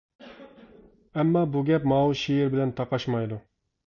ئەمما، بۇ گەپ ماۋۇ شېئىر بىلەن تاقاشمايدۇ.